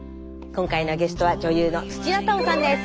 今回のゲストは女優の土屋太鳳さんです。